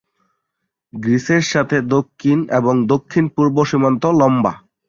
গ্রিসের সাথে দক্ষিণ এবং দক্ষিণ-পূর্ব সীমান্ত লম্বা।